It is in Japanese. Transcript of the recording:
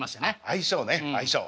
相性ね相性。